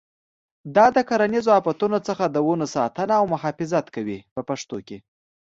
دا د کرنیزو آفتونو څخه د ونو ساتنه او محافظت کوي په پښتو کې.